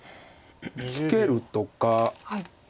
ツケるとか。